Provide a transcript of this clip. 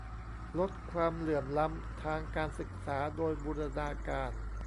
ลดความเหลื่อมล้ำทางการศึกษาโดยบูรณาการ